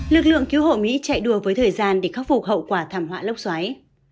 lực lượng cứu hộ mỹ chạy đùa với thời gian để khắc phục hậu quả thảm họa lúc xoáy